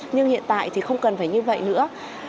nhưng hiện tại thì không cần phải như vậy nữa